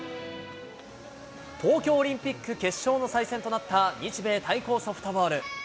東京オリンピック決勝の再戦となった日米対抗ソフトボール。